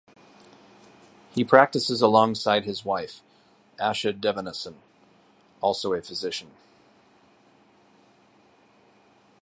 He practices alongside his wife, Asha Devanesen, also a physician.